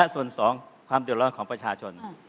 ส่วนสองความดินร้อนของประชาชน